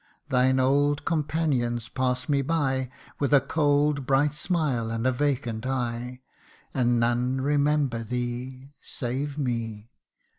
Thine old companions pass me by With a cold bright smile, and a vacant eye And none remember thee Save me.